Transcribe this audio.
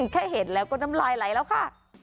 แค่เห็นแล้วก็น้ำลายไหลแล้วค่ะ